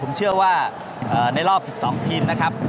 ผมเชื่อว่าในรอบ๑๒ทีมนะครับ